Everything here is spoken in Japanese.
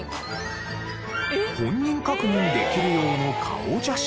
本人確認できる用の顔写真。